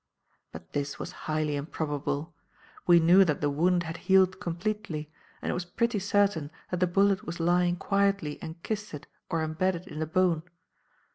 But this was highly improbable. We knew that the wound had healed completely, and it was pretty certain that the bullet was lying quietly encysted or embedded in the bone.